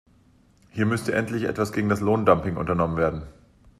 Hier müsste endlich etwas gegen das Lohndumping unternommen werden.